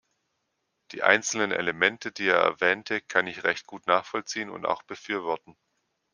Die einzelnen Elemente, die er erwähnte, kann ich recht gut nachvollziehen und auch befürworten.